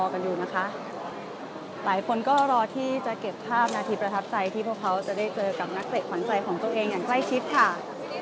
หลายคนก็รอที่จะเก็บภาพนาทีประทับใจที่พวกเขาจะได้เจอกับนักเตะขวัญใจของตัวเองอย่างใกล้ชิดค่ะ